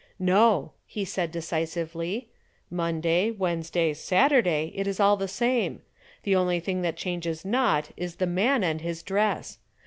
"No," he said, decisively. "Monday, Wednesday, Saturday, it is all the same. The only thing that changes not is the man and his dress.